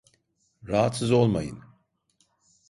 Rahatsız olmayın.